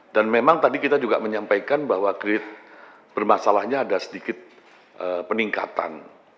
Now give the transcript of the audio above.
dan memang tadi kita juga menyampaikan bahwa kredit bermasalahnya ada sedikit peningkatan